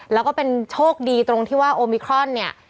แล้วก็เป็นโชคดีตรงที่ว่าโอมิครอนเนี่ย